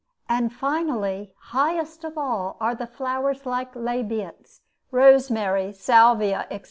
And finally, highest of all are the flowers like labiates (rosemary, Salvia, etc.)